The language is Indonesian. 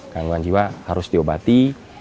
gangguan jiwa harus diobati